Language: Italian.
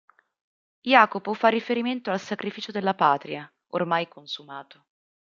Jacopo fa riferimento al sacrificio della patria, ormai "consumato".